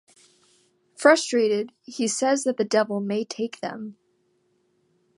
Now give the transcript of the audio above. Frustrated, he says that the devil may take them.